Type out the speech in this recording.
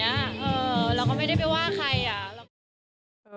เออแล้วก็ไม่ได้ไปว่าใคร